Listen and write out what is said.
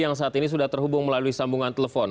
yang saat ini sudah terhubung melalui sambungan telepon